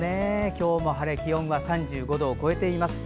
今日も晴れで気温は３５度を超えています。